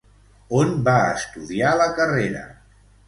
On va estudiar la carrera?